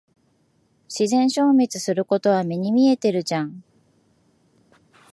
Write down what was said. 自然消滅することは目に見えてるじゃん。